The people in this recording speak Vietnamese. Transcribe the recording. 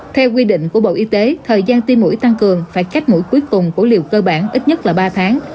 theo quy định của bộ y tế thời gian tim mũi tăng cường phải cách mũi cuối cùng của liều cơ bản ít nhất là ba tháng